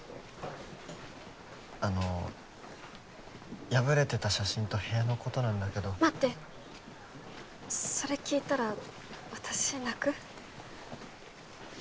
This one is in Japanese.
あの破れてた写真と部屋のことなんだけど待ってそれ聞いたら私泣く？